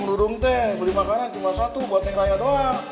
mau dudung teh beli makanan cuma satu buat neng raya doang